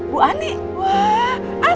bu ani wah asik dong